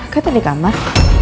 kata di kamar